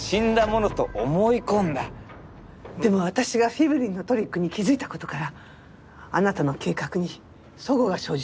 でも私がフィブリンのトリックに気づいた事からあなたの計画に齟齬が生じたのね。